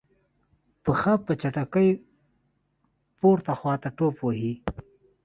پښه په چټکۍ پورته خواته ټوپ وهي.